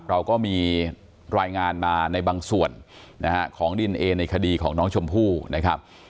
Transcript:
เราก็มีรายงานมาในบางส่วนนะฮะของดินเอในคดีของน้องชมพู่นะครับ